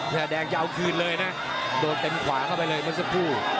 แดงจะเอาคืนเลยนะโดนเต็มขวาเข้าไปเลยเมื่อสักครู่